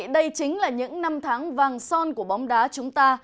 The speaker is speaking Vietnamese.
đây chính là những năm tháng vàng son của bóng đá chúng ta